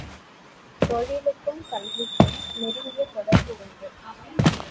தொழிலுக்கும் கல்விக்கும் நெருங்கிய தொடர்பு உண்டு.